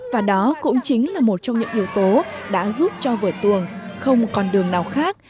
và đó cũng chính là một trong những yếu tố đã giúp cho vở tuồng không còn đường nào khác